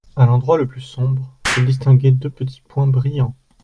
A l'endroit le plus sombre, je distinguai deux petits points brillants.